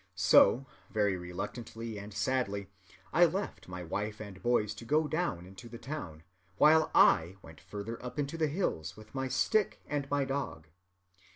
So, very reluctantly and sadly, I left my wife and boys to go down into the town, while I went further up into the hills with my stick and my dog.